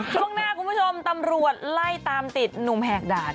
โชคหน้าทุกหนุ่มตำรวจไล่ตามติดหนุ่มแหกดาน